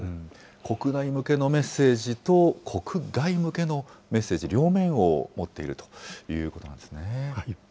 国内向けのメッセージと国外向けのメッセージ両面を持っているということなんですね。